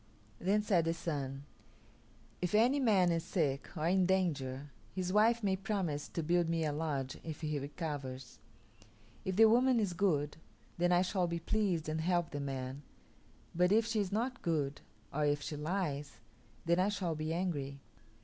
Then said the Sun, "If any man is sick or in danger his wife may promise to build me a lodge if he recovers. If the woman is good, then I shall be pleased and help the man; but if she is not good, or if she lies, then I shall be angry.